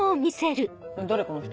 誰この人。